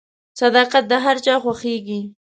• صداقت د هر چا خوښیږي.